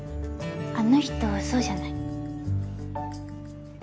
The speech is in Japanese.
あの人そうじゃない？